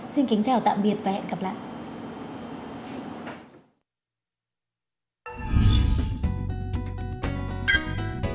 xin kính chào tạm biệt và hẹn gặp lại